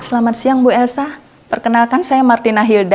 selamat siang bu elsa perkenalkan saya martina hilda